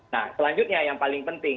nah selanjutnya yang paling penting